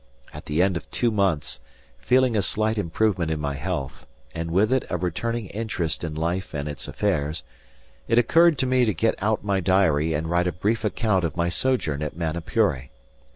At the end of two months, feeling a slight improvement in my health, and with it a returning interest in life and its affairs, it occurred to me to get out my diary and write a brief account of my sojourn at Manapuri.